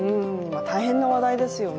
大変な話題ですよね。